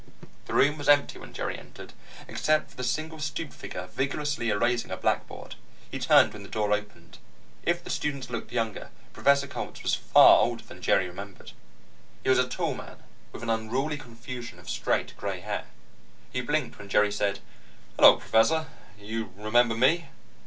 The room was empty when Jerry entered, except for the single stooped figure vigorously erasing a blackboard. He turned when the door opened. If the students looked younger, Professor Coltz was far older than Jerry remembered. He was a tall man, with an unruly confusion of straight gray hair. He blinked when Jerry said: "Hello, Professor. Do you remember me?